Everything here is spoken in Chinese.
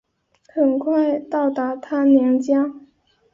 很快到达她娘家